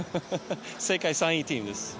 世界３位のチームです。